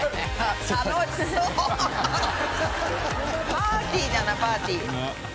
パーティーだなパーティー。